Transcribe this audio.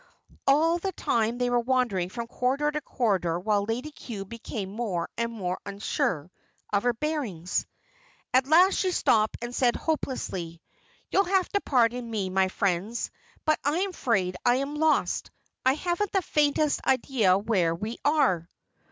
All the time they were wandering from corridor to corridor while Lady Cue became more and more unsure of her bearings. At last she stopped and said hopelessly, "You'll have to pardon me, my friends, but I am afraid I am lost. I haven't the faintest idea where we are."